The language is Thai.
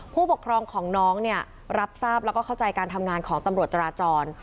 ผู้ปกครองของน้องเนี่ยรับทราบแล้วก็เข้าใจการทำงานของตำรวจจราจร